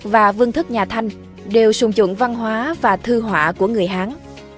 và vương thức nhà thanh đều sùng trụng văn hóa và thư họa của người hán